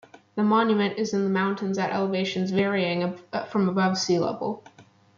The monument is in the mountains at elevations varying from above sea level.